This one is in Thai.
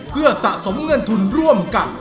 เพื่อสะสมเงินทุนร่วมกัน